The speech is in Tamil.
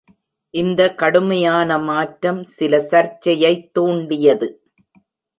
இந்த கடுமையான மாற்றம் சில சர்ச்சையைத் தூண்டியது.